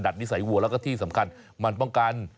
นิสัยวัวแล้วก็ที่สำคัญมันป้องกัน